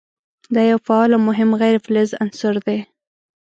دا یو فعال او مهم غیر فلز عنصر دی.